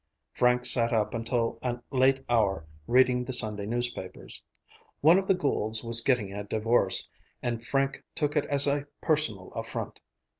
Frank sat up until a late hour reading the Sunday newspapers. One of the Goulds was getting a divorce, and Frank took it as a personal affront.